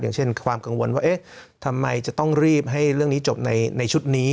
อย่างเช่นความกังวลว่าเอ๊ะทำไมจะต้องรีบให้เรื่องนี้จบในชุดนี้